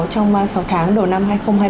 trong sáu tháng đầu năm hai nghìn hai mươi ba